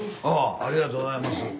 ありがとうございます。